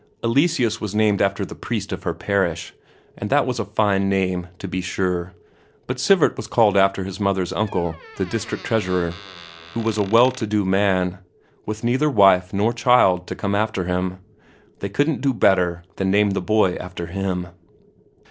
Eleseus was named after the priest of her parish, and that was a fine name to be sure; but Sivert was called after his mother's uncle, the district treasurer, who was a well to do man, with neither wife nor child to come after him. They couldn't do better than name the boy after him.